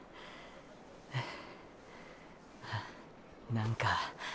何か。